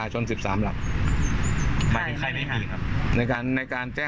ใช่ครับ